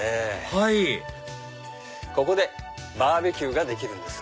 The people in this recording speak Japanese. はいここでバーベキューができるんです。